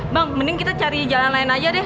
bang mending kita cari jalan lain aja deh